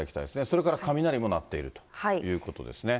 それから雷も鳴っているということですね。